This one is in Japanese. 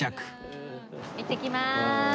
行ってきます。